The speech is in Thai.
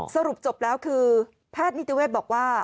สรุปจบแล้วคือแพทย์นิติเวศบอกว่า